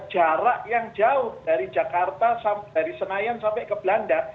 jarak yang jauh dari jakarta dari senayan sampai ke belanda